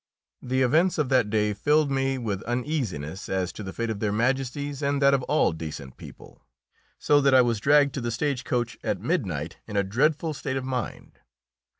The events of that day filled me with uneasiness as to the fate of Their Majesties and that of all decent people, so that I was dragged to the stage coach at midnight in a dreadful state of mind.